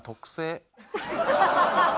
ハハハハ！